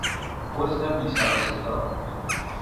حزن بی سرو صدا